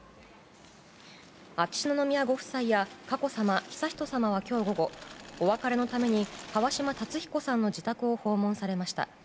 秋篠宮ご夫妻や佳子さま、悠仁さまは今日午後お別れのために川嶋辰彦さんの自宅を訪問されました。